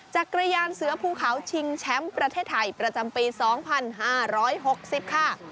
จักรยานเสือภูเขาชิงแชมป์ประเทศไทยประจำปี๒๕๖๐ค่ะ